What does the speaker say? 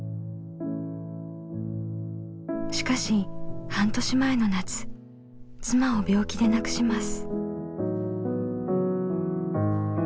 しかし半年前の夏妻を病気で亡くします。